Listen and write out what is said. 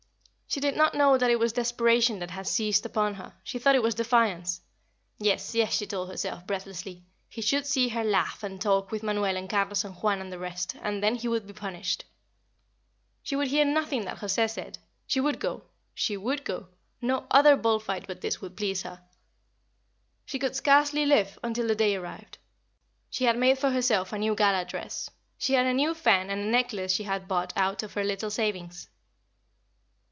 She did not know that it was desperation that had seized upon her; she thought it was defiance. Yes, yes, she told herself, breathlessly, he should see her laugh and talk with Manuel and Carlos and Juan and the rest; and then he would be punished. She would hear nothing that José said. She would go she would go. No other bull fight but this would please her. She could scarcely live until the day arrived. She had made for herself a new gala dress; she had a new fan and a necklace she had bought out of her little savings.